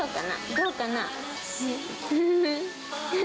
どうかな？